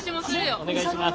お願いします！